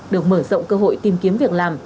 được mở rộng cơ hội tìm kiếm việc làm